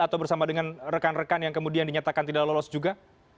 atau bersama dengan rekan rekan yang kemudian dinyatakan tidak lolos juga